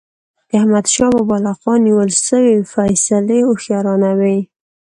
د احمدشاه بابا له خوا نیول سوي فيصلي هوښیارانه وي.